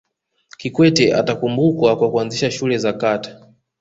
kikwete atakumbukwa kwa kuanzisha shule za kata